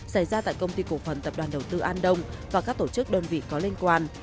xảy ra tại công ty cổ phần tập đoàn đầu tư an đông và các tổ chức đơn vị có liên quan